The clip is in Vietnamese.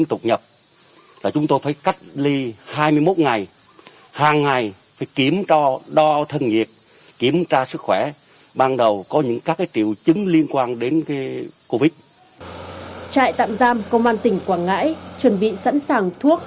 trạm tạm giam công an tỉnh quảng ngãi chuẩn bị sẵn sàng thuốc